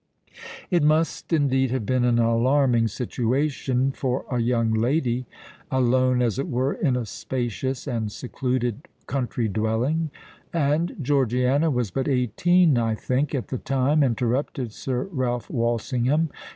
"It must indeed have been an alarming situation for a young lady—alone, as it were, in a spacious and secluded country dwelling——" "And Georgiana was but eighteen, I think, at the time," interrupted Sir Ralph Walsingham.